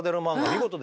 見事。